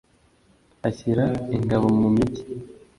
ashyira ingabo mu migi